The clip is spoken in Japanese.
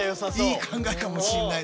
いい考えかもしれない。